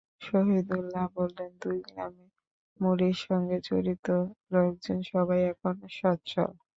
শহিদুল্লাহ বললেন, দুই গ্রামে মুড়ির সঙ্গে জড়িত লোকজন সবাই এখন সচ্ছল।